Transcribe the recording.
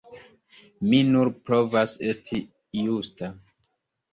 Mi nur provas esti justa!